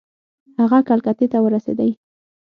هغه کلکتې ته ورسېدی.